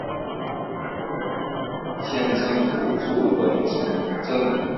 县政府驻龙城镇。